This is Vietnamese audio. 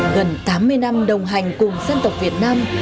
gần tám mươi năm đồng hành cùng dân tộc việt nam